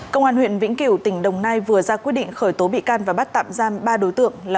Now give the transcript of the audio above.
công an huyện vĩnh kiểu tỉnh đồng nai vừa ra quyết định khởi tố bị can và bắt tạm giam ba đối tượng là